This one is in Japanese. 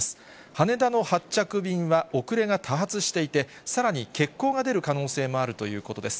羽田の発着便は遅れが多発していて、さらに欠航が出る可能性もあるということです。